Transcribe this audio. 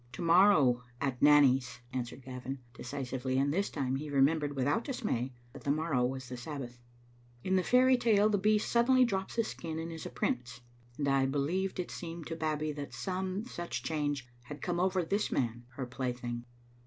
"To morrow, at Nanny's," answered Gavin, deci sively: and this time he remembered without dismay that the morrow was the Sabbath. In the fairy tale the beast suddenly drops his skin and is a prince, and I believed it seemed to Babbie that some such change had come over this man, her plaything.